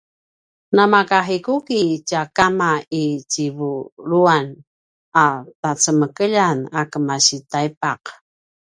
namakahikuki tia kama i tjivuluan a tacemekeljan a kemasi taipaq